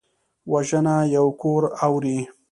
وژنه یو کور اوروي